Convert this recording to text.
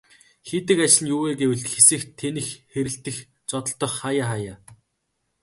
Хийдэг ажил нь юу вэ гэвэл хэсэх, тэнэх хэрэлдэх, зодолдох хааяа хааяа.